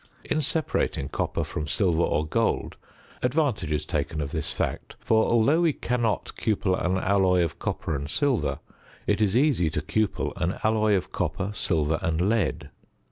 In separating copper from silver or gold, advantage is taken of this fact; for, although we cannot cupel an alloy of copper and silver, it is easy to cupel an alloy of copper, silver and lead.